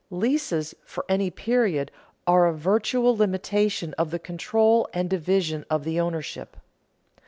Leases for any period are a virtual limitation of the control and division of the ownership.